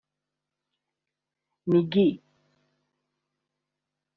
Meggy